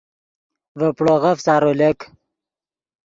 ڤے پڑوغف سارو لک